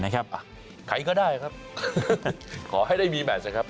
ใครก็ได้ครับขอให้ได้มีแมชนะครับ